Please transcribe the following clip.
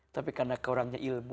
tapi karena keurangnya ilmu